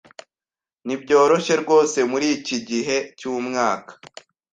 Nibyoroshye rwose muriki gihe cyumwaka.